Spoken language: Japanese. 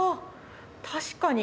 確かに。